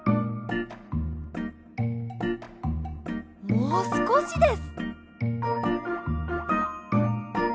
もうすこしです。